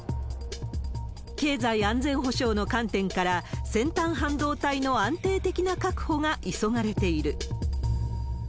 経済安全保障の観点から、先端半導体の安定的な確保が急がれている。